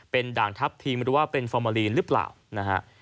เป็นด่างทัพทีมหรือว่าเป็นฟอร์มาลีนหรือเปล่านะฮะ